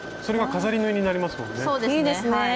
それが飾り縫いになりますもんね。